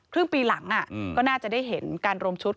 ครึ่งปีหลังก็น่าจะได้เห็นการรวมชุด